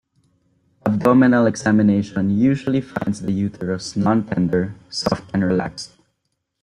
Abdominal examination usually finds the uterus non-tender, soft and relaxed.